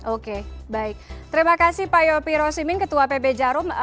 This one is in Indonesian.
oke baik terima kasih pak yopi rosimin ketua pb jarum